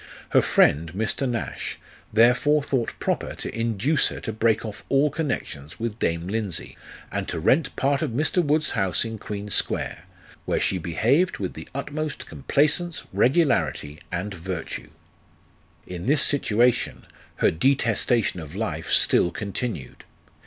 Her friend, Mr. Nash, therefore, thought proper to induce her to break off all connections with dame Lindsey, and to rent part of Mr. Wood's house, in Queen Square, where she behaved with the utmost complaisance, regu larity, and virtue. In this situation, her detestation of life still continued.